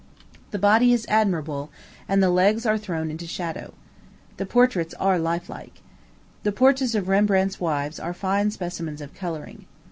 The body is admirable, and the legs are thrown into shadow. The portraits are lifelike. The portraits of Rembrandt's wives are fine specimens of coloring.